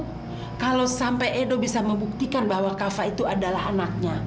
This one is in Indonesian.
kalau sampai edo bisa membuktikan bahwa kava itu adalah anaknya